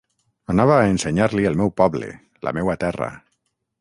Anava a ensenyar-li el meu poble, la meua terra.